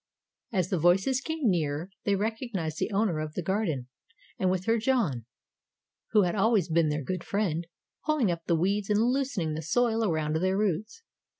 "As the voices came nearer they recognized the owner of the garden and with her John, who had always been their good friend, pulling up the weeds and loosening the soil around their roots.